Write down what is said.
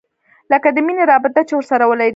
لکه د مينې رابطه چې ورسره ولري.